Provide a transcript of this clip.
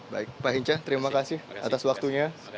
baik pak hinca terima kasih atas waktunya